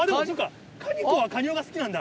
カニ子はカニ雄が好きなんだ。